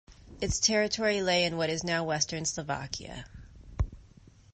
Its territory lay in what is now western Slovakia.